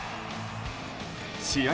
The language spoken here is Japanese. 試合